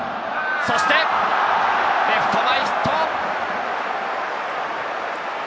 そして、レフト前ヒット。